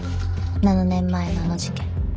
７年前のあの事件。